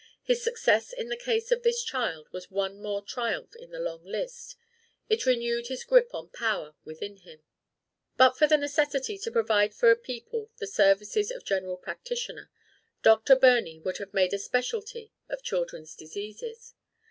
His success in the case of this child was one more triumph in his long list; it renewed his grip on power within him. But for the necessity to provide for a people the services of general practitioner, Dr. Birney would have made a specialty of children's diseases.